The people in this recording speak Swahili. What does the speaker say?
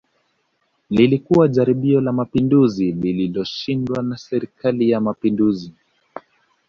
Lilikuwa jaribio la Mapinduzi lililoshindwa kwa Serikali ya Mapinduzi